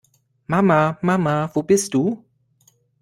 Mama, Mama, wo bist du?